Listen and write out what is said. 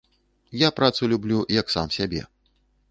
Я працу люблю, як сам сябе.